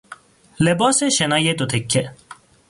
لباس شنای دو تکه